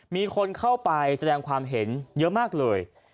มีคนเข้าไปแสดงความเห็นเยอะมากเลย